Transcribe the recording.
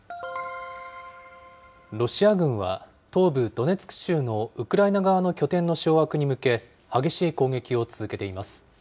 ロシア軍は、東部ドネツク州のウクライナ側の拠点の掌握に向け、激しい攻撃を続けています。